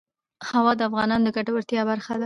هوا د افغانانو د ګټورتیا برخه ده.